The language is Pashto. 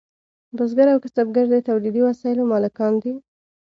بزګر او کسبګر د تولیدي وسایلو مالکان دي.